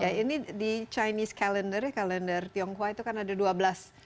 ya ini di chinese kalender ya kalender tionghoa itu kan ada dua belas